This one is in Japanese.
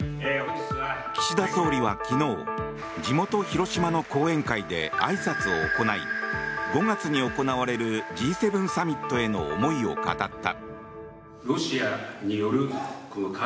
岸田総理は昨日地元・広島の後援会であいさつを行い５月に行われるＧ７サミットへの思いを語った。